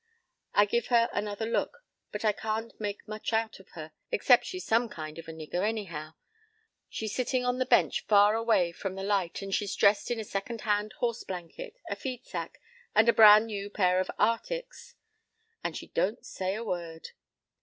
p> "I give her another look, but I can't make much out of her, except she's some kind of a nigger, anyhow. She's sittin' on the bench far away from the light, and she's dressed in a second hand horse blanket, a feed sack, and a bran' new pair of ar'tics. And she don't say a word.